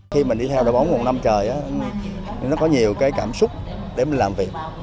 khi mình đi theo đội bóng một năm trời nó có nhiều cảm xúc để mình làm việc